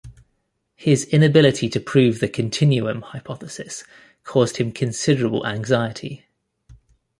His inability to prove the continuum hypothesis caused him considerable anxiety.